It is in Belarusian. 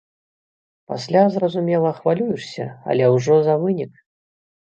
Пасля, зразумела, хвалюешся, але ўжо за вынік.